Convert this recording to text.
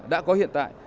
đã có hiện tại